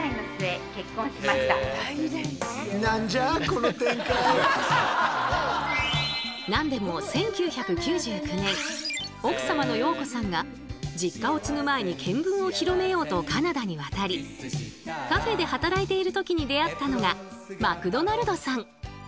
こちらの何でも１９９９年奥様の洋子さんが実家を継ぐ前に見聞を広めようとカナダに渡りカフェで働いている時に出会ったのがマクドナルドさん。